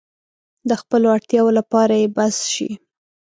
د خپلو اړتیاوو لپاره يې بس شي.